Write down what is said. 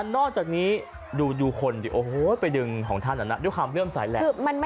นอกจากนี้ดูคนก็ไปดึงของท่านด้วยความเรื่องสายและ